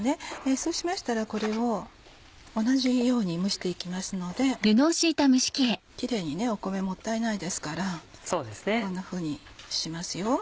そうしましたらこれを同じように蒸していきますのでキレイに米もったいないですからこんなふうにしますよ。